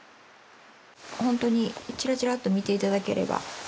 本当にちらちらっと見て頂ければ。